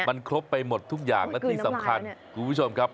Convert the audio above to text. มันครบไปหมดทุกอย่างและที่สำคัญคุณผู้ชมครับ